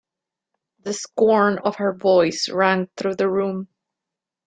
The scorn of her voice rang through the room.